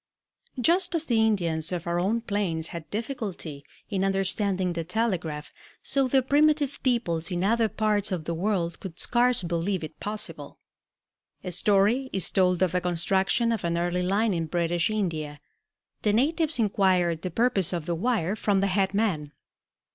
Just as the Indians of our own plains had difficulty in understanding the telegraph, so the primitive peoples in other parts of the world could scarce believe it possible. A story is told of the construction of an early line in British India. The natives inquired the purpose of the wire from the head man.